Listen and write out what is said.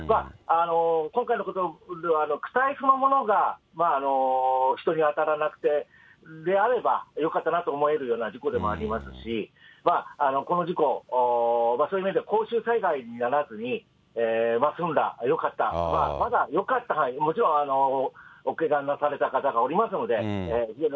今回のことではくたいそのものが人に当たらなくて、であればよかったなと思えるような事故でもありますし、この事故、そういう意味ではこうしゅう災害にならずに、済んだ、よかった、まだよかったがもちろん、おけがなされた方がいらっしゃいますので。